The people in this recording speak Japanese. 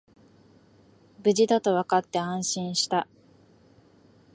無事だとわかって安心した